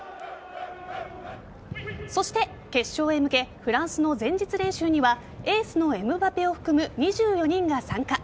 そして決勝へ向けフランスの前日練習にはエースのエムバペを含む２４人が参加。